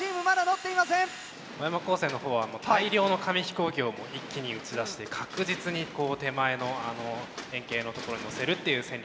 小山高専の方は大量の紙飛行機を一気に撃ち出して確実に手前の円形の所にのせるっていう戦略ですね。